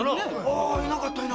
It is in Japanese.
ああ居なかった。